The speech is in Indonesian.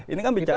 ini kan bicara